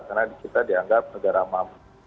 karena kita dianggap negara mampu